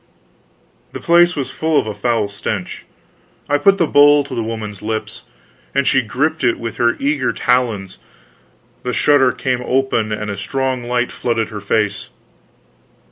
The place was full of a foul stench. I put the bowl to the woman's lips, and as she gripped it with her eager talons the shutter came open and a strong light flooded her face.